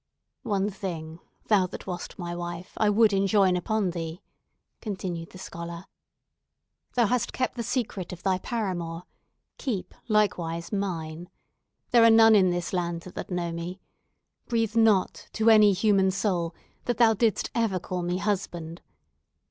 "One thing, thou that wast my wife, I would enjoin upon thee," continued the scholar. "Thou hast kept the secret of thy paramour. Keep, likewise, mine! There are none in this land that know me. Breathe not to any human soul that thou didst ever call me husband!